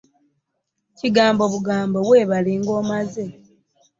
Kigambo bugambo weebale ng'omaze.